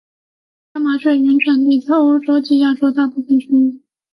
家麻雀的原产地在欧洲及亚洲的大部份区域。